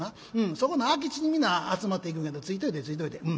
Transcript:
そこの空き地に皆集まって行くんやけどついといでついといで。